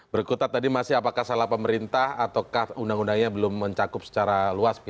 berkutat tadi masih apakah salah pemerintah ataukah undang undangnya belum mencakup secara luas